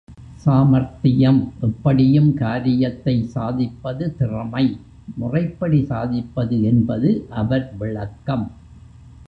சாமர்த்தியம், எப்படியும் காரியத்தை சாதிப்பது திறமை முறைப்படி சாதிப்பது என்பது அவர் விளக்கம்.